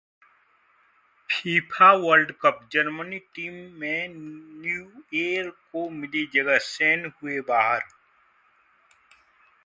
FIFA world cup: Germany team में Neuer को मिली जगह, सेन हुए बाहर